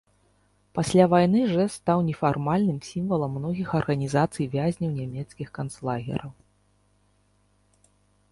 Пасля вайны жэст стаў нефармальным сімвалам многіх арганізацый вязняў нямецкіх канцлагераў.